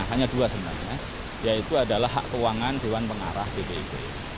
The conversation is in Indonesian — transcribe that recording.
hanya dua sebenarnya yaitu adalah hak keuangan dewan pengarah bpip